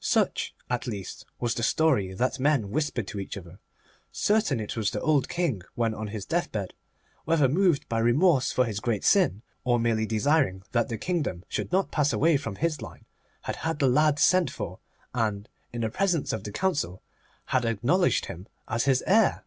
Such, at least, was the story that men whispered to each other. Certain it was that the old King, when on his deathbed, whether moved by remorse for his great sin, or merely desiring that the kingdom should not pass away from his line, had had the lad sent for, and, in the presence of the Council, had acknowledged him as his heir.